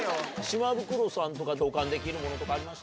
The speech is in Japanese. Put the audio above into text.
島袋さんとか共感できるものとかありました？